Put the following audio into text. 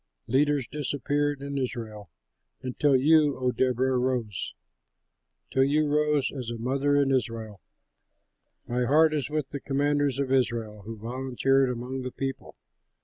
Leaders disappeared in Israel, Until you, O Deborah, rose, Till you rose as a mother in Israel. "My heart is with the commanders of Israel, Who volunteered among the people.